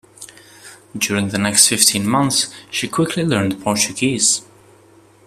During the next fifteen months, she quickly learned Portuguese.